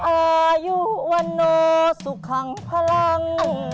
อายุวันโนสุคังพลัง